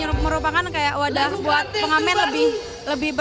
ini merupakan kayak wadah buat pengamen lebih berprestasi lagi ke depan